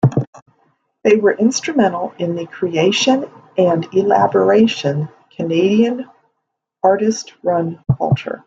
They were instrumental in the creation and elaboration Canadian artist-run culture.